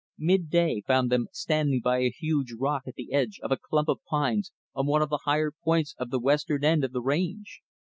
Midday found them standing by a huge rock at the edge of a clump of pines on one of the higher points of the western end of the range.